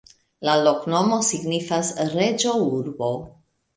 La loknomo signifas: reĝo-urbo.